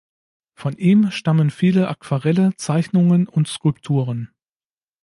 Von ihm stammen viele Aquarelle, Zeichnungen und Skulpturen.